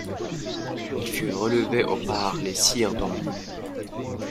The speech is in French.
Il fut relevé au par les sires d'Aumont.